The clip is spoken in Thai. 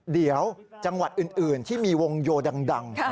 เดี๋ยวจังหวัดอื่นที่มีวงโยดัง